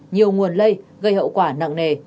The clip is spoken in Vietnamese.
nhiều nguồn lây gây hậu quả nặng nề